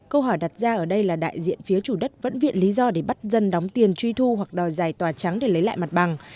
câu hỏi đặt ra ở đây là đại diện phía chủ đất vẫn viện lý do để bắt dân đóng tiền truy thu hoặc đòi giải tòa trắng để lấy lại mặt bằng